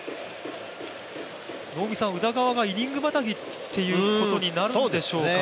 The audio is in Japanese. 宇田川がイニングまたぎということになるんでしょうね。